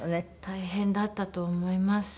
大変だったと思います。